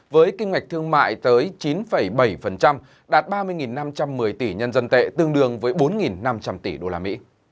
với kinh ngạch thương mại tới chín bảy đạt ba mươi năm trăm một mươi tỷ nhân dân tệ tương đương với bốn năm trăm linh tỷ usd